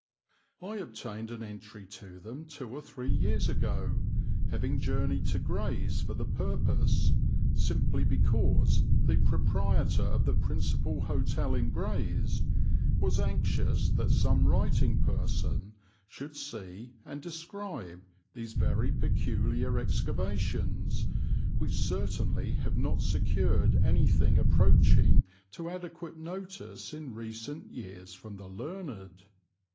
I obtained an entry to them two or three years ago, having journeyed to Grays for the purpose, simply because the proprietor of the principal hotel in Grays was anxious that some writing person should see and describe these very peculiar excavations, which certainly have not secured anything approaching to adequate notice in recent years from the learned.